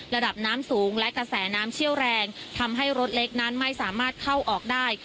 ระดับน้ำสูงและกระแสน้ำเชี่ยวแรงทำให้รถเล็กนั้นไม่สามารถเข้าออกได้